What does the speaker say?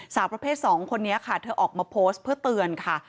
สาวประเภท๒คนนี้ค่ะเธอออกมาโพสต์เพื่อเตือนค่ะ